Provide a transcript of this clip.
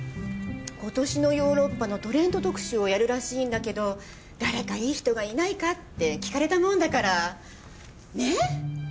今年のヨーロッパのトレンド特集をやるらしいんだけど誰かいい人がいないかって聞かれたもんだから。ね？